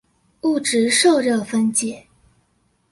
物質受熱分解